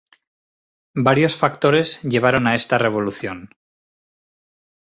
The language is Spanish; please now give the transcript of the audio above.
Varios factores llevaron a esta revolución.